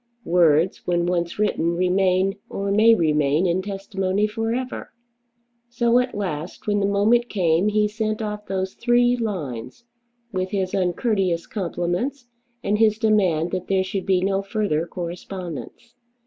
Words when once written remain, or may remain, in testimony for ever. So at last when the moment came he sent off those three lines, with his uncourteous compliments and his demand that there should be no further correspondence.